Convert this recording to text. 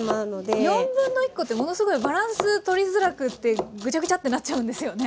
1/4コってものすごいバランス取りづらくってぐちゃぐちゃってなっちゃうんですよね。